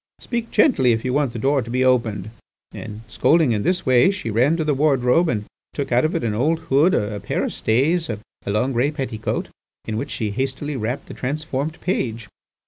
Speak gently if you want the door to be opened.' And scolding in this way, she ran to the wardrobe and took out of it an old hood, a pair of stays, and a long grey petticoat, in which she hastily wrapped the transformed page.